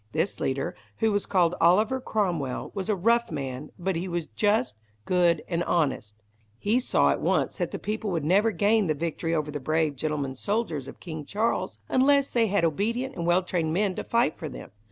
This leader, who was called Oliver Cromwell, was a rough man, but he was just, good, and honest. He saw at once that the people would never gain the victory over the brave gentlemen soldiers of King Charles, unless they had obedient and well trained men to fight for them.